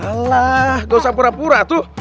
alah gausah pura pura tuh